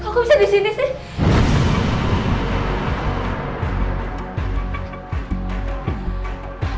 aku bisa di sini sih